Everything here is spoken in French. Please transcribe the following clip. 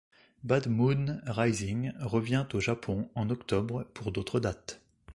Bad Moon Rising revient au Japon en octobre pour d'autres dates.